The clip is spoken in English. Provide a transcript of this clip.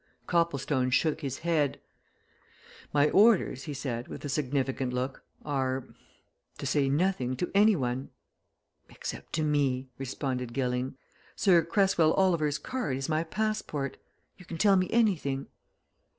Copplestone shook his head. "My orders," he said, with a significant look, "are to say nothing to any one." "Except to me," responded Gilling. "Sir Cresswell Oliver's card is my passport. You can tell me anything."